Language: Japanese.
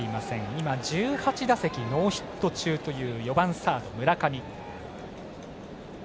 今、１８打席ノーヒット中という４番、サード村上。